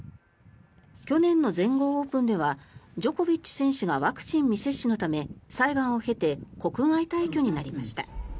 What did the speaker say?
去年の全豪オープンではジョコビッチ選手がワクチン未接種のため裁判を経て国外退去になりました。